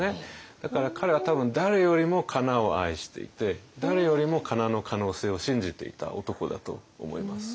だから彼は多分誰よりもかなを愛していて誰よりもかなの可能性を信じていた男だと思います。